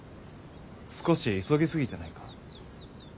少し急ぎすぎてないか？